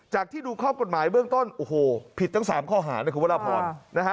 จากที่ดูข้อกฎหมายเบื้องต้นโอ้โหผิดตั้งสามข้อหานี่คือว่าราพรนะฮะ